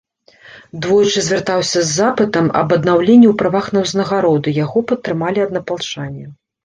Двойчы звяртаўся з запытам аб аднаўленні ў правах на ўзнагароды, яго падтрымалі аднапалчане.